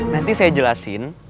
nanti saya jelasin